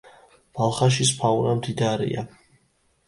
ბალხაშის ფაუნა მდიდარია.